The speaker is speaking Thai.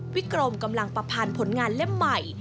กรมกำลังประพันธ์ผลงานเล่มใหม่